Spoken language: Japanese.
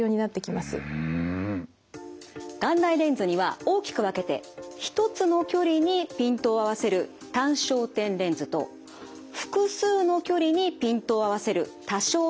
眼内レンズには大きく分けて一つの距離にピントを合わせる単焦点レンズと複数の距離にピントを合わせる多焦点レンズの２種類あります。